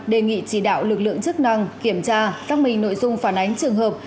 đề nghị chỉ đạo lực lượng chức năng kiểm tra giác minh nội dung phản ánh trường hợp